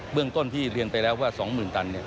เรื่องต้นที่เรียนไปแล้วว่า๒๐๐๐ตัน